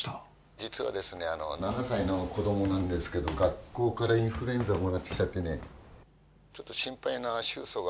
実はですね７歳の子供なんですけど学校からインフルエンザをもらってきちゃってねちょっと心配な愁訴がありましてね。